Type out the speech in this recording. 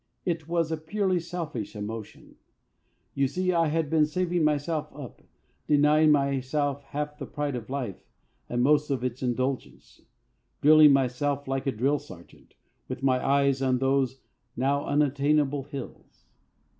It was a purely selfish emotion. You see I had been saving myself up, denying myself half the pride of life and most of its indulgence, drilling myself like a drill sergeant, with my eyes on those now unattainable hills.